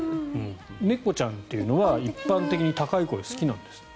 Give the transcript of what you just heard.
猫ちゃんというのは一般的に高い声が好きなんですって。